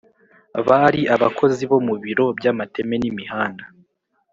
Bari abakozi bo mu biro by’amateme n’imihanda